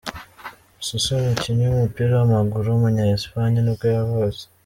Suso, umukinnyi w’umupira w’amaguru w’umunya Espagne nibwo yavutse.